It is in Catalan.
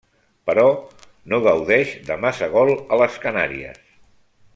Però, no gaudeix de massa gol a les Canàries.